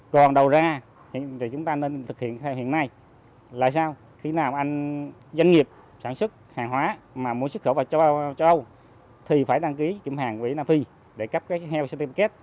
còn đầu ra thì chúng ta nên thực hiện theo hiện nay là sao khi nào anh doanh nghiệp sản xuất hàng hóa mà muốn xuất khẩu vào châu âu thì phải đăng ký kiểm hàng việt nam phi